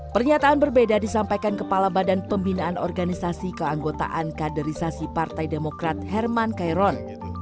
pernyataan berbeda disampaikan kepala badan pembinaan organisasi keanggotaan kaderisasi partai demokrat herman kairon